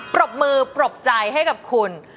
ปรบมือปรบใจให้กับคุณ